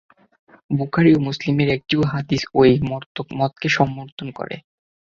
বুখারী ও মুসলিমের একটি হাদীসও এই মতকে সমর্থন করে।